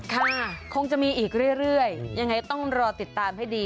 ค่ะคงจะมีอีกเรื่อยยังไงต้องรอติดตามให้ดี